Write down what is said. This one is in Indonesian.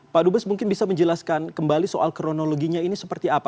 pak dubes mungkin bisa menjelaskan kembali soal kronologinya ini seperti apa